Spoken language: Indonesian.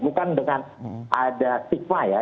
bukan dengan ada stigma ya